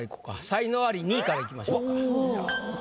才能アリ２位からいきましょうか。